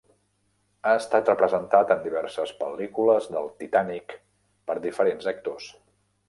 Ha estat representat en diverses pel·lícules del "Titànic" per diferents actors.